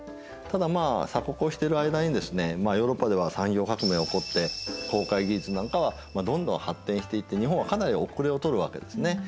ただまあ鎖国をしている間にですねヨーロッパでは産業革命起こって航海技術なんかはどんどん発展していって日本はかなり遅れをとるわけですね。